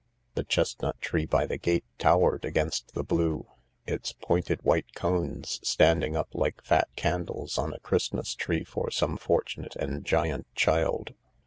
The chestnut tree by the gate towered against the blue, its pointed white cones standing up like fat candles on a Christmas tree for some fortunate and giant child.